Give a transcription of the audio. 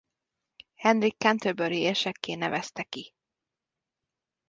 Henrik canterburyi érsekké nevezte ki.